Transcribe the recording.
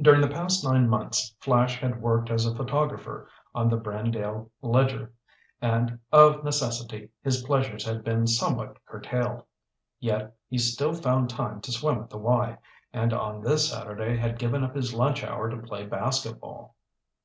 During the past nine months Flash had worked as a photographer on the Brandale Ledger and, of necessity, his pleasures had been somewhat curtailed. Yet, he still found time to swim at the "Y," and on this Saturday had given up his lunch hour to play basketball.